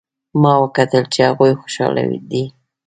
ما وکتل چې هغوی خوشحاله دي